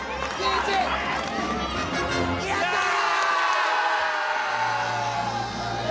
やったー！